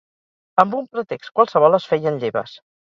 Amb un pretext qualsevol, es feien lleves